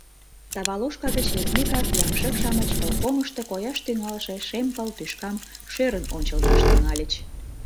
Таваложка гыч лекмекак ямшык-шамыч пылпомышто кояш тӱҥалше шем пыл тӱшкам шӧрын ончылдаш тӱҥальыч.